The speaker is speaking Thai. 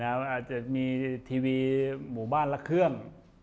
อาจจะมีทีวีหมู่บ้านละเครื่อง